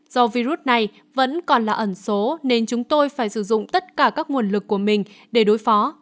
do virus này vẫn còn là ẩn số nên chúng tôi phải sử dụng tất cả các nguồn lực của mình để đối phó